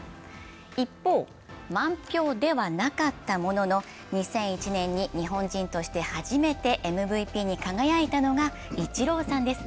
一方、満票ではなかったものの２００１年に日本人として初めてＭＶＰに輝いたのがイチローさんです。